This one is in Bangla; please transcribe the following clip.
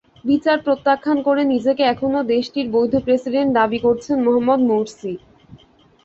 বিচার প্রত্যাখ্যান করে নিজেকে এখনো দেশটির বৈধ প্রেসিডেন্ট দাবি করেছেন মোহাম্মদ মুরসি।